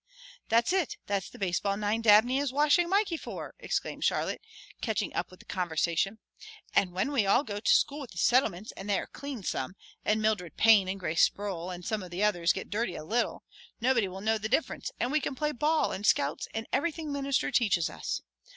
"That's it that's the baseball nine Dabney is washing Mikey for!" exclaimed Charlotte, catching up with the conversation. "And when we all go to school with the Settlements and they are clean some, and Mildred Payne and Grace Sproul and some of the others get dirty a little, nobody will know the difference and we can play ball and scouts and everything Minister teaches us.